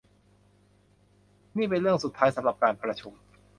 นี่เป็นเรื่องสุดท้ายสำหรับการประชุม